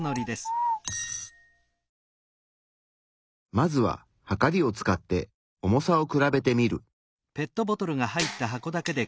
まずははかりを使って重さを比べてみる。